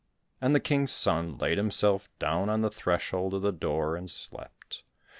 And the King's son laid himself down on the threshold of the door and slept.